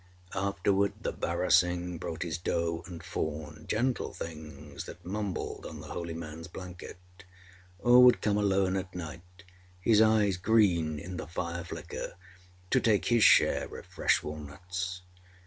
Afterward, the barasingh brought his doe and fawn gentle things that mumbled on the holy manâs blanket or would come alone at night, his eyes green in the fire flicker, to take his share of fresh walnuts.